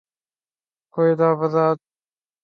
کوئی تحفظات ہوں ورکر کو تو وہ بھی کوئی نہیں ملتا